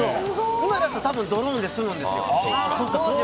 今だったら多分ドローンで済むんです。